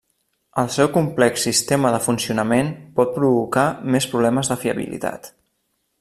El seu complex sistema de funcionament pot provocar més problemes de fiabilitat.